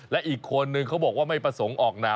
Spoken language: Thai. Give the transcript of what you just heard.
และอีกคนนึงเขาบอกว่าไม่ประสงค์ออกนา